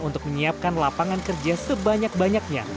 untuk menyiapkan lapangan kerja sebanyak banyaknya